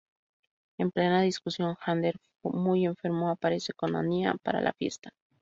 En plena discusión Xander, muy enfermo, aparece con Anya para la fiesta.